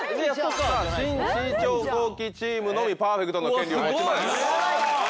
『新・信長公記』チームのみパーフェクトの権利を持ちました。